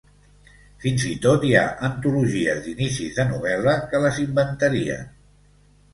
Fins i tot hi ha antologies d'inicis de novel·la que les inventarien.